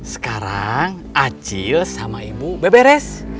sekarang acil sama ibu beberes